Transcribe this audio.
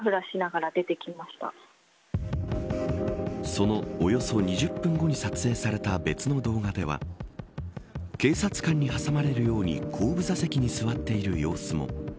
そのおよそ２０分後に撮影された別の動画では警察官に挟まれるように後部座席に座っている様子も。